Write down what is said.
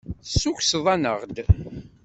Tessukkseḍ-aneɣ-d.